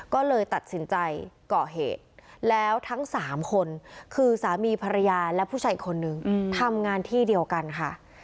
ก็เลยตัดสินใจเกาะเหตุแล้วทั้ง๓คนคือสามีภรรยาและผู้ชายอีกคนนึงทำงานที่เดียวกันค่ะ